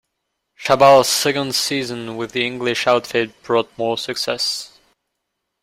Chabal's second season with the English outfit brought more success.